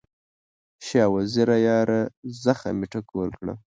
شاه وزیره یاره، زخم مې ټکور کړه